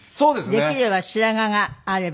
できれば白髪があれば。